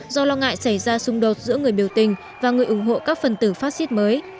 do lo ngại xảy ra xung đột giữa người biểu tình và người ủng hộ các phần tử phát xít mới